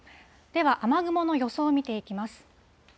では、雨雲の予想を見ていきます。